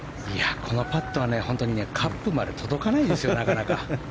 このパットは本当にカップまで届かないですよ。